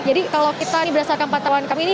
jadi kalau kita ini berdasarkan patahuan kami ini